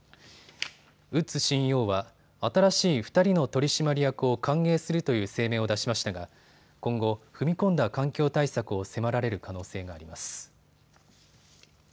ウッズＣＥＯは新しい２人の取締役を歓迎するという声明を出しましたが今後、踏み込んだ環境対策を迫られる可能性があります。